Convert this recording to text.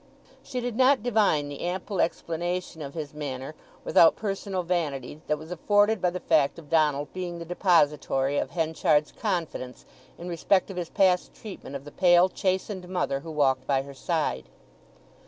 She did not divine the ample explanation of his manner, without personal vanity, that was afforded by the fact of Donald being the depositary of Henchard's confidence in respect of his past treatment of the pale, chastened mother who walked by her side.